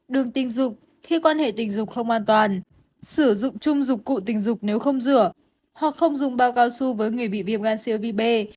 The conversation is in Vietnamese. đường tình dục khi quan hệ tình dục không an toàn sử dụng chung dụng cụ tình dục nếu không rửa hoặc không dùng bao cao su với người bị viêm gan siêu vi bê